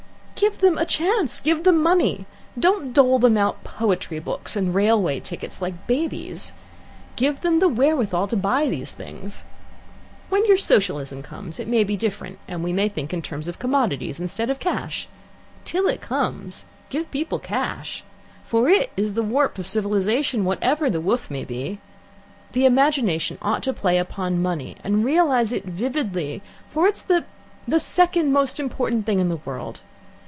"Give them a chance. Give them money. Don't dole them out poetry books and railway tickets like babies. Give them the wherewithal to buy these things. When your Socialism comes it may be different, and we may think in terms of commodities instead of cash. Till it comes give people cash, for it is the warp of civilization, whatever the woof may be. The imagination ought to play upon money and realize it vividly, for it's the the second most important thing in the world.